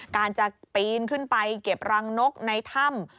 การจะปีนขึ้นไปเก็บรังนกในถ้ำ